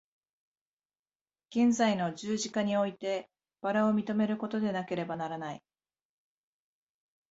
現在の十字架において薔薇を認めることでなければならない。